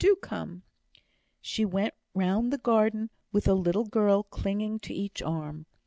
Do come!" She went round the garden with a little girl clinging to each arm.